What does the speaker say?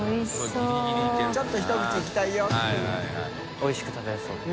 おいしく食べられそうだ。